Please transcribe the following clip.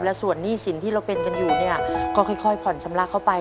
และส่วนหนี้สินที่เราเป็นกันอยู่เนี่ยก็ค่อยผ่อนชำระเข้าไป